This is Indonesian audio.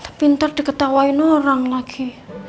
tapi ntar diketawain orang lagi